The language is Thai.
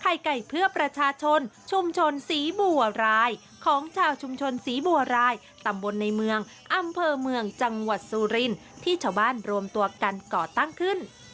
ไก่เพื่อประชาชนชุมชนศรีบัวรายของชาวชุมชนศรีบัวรายตำบลในเมืองอำเภอเมืองจังหวัดสุรินที่ชาวบ้านรวมตัวกันก่อตั้งขึ้น